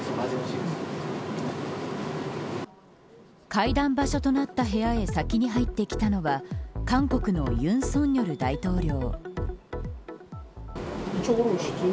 会談場所となった部屋へ先に入ってきたのは韓国の尹錫悦大統領。